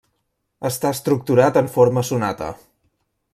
Està estructurat en forma sonata.